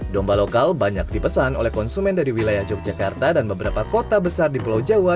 domba lokal banyak dipesan oleh konsumen dari wilayah yogyakarta dan beberapa kota besar di pulau jawa